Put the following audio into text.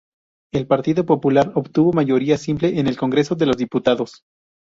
El Partido Popular obtuvo mayoría simple en el Congreso de los Diputados.